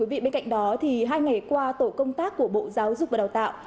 bên cạnh đó thì hai ngày qua tổ công tác của bộ giáo dục và đào tạo